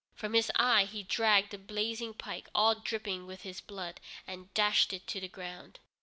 From his eye he dragged the blazing pike, all dripping with his blood, and dashed it to the ground.